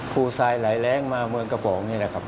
ทรายไหลแรงมาเมืองกระป๋องนี่แหละครับ